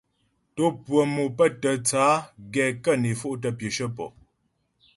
Tò pʉə̀ mò pə́ tə tsə á gɛ kə́ né fo'tə pyəshə pɔ.